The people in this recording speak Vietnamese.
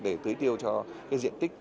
để tưới tiêu cho diện tích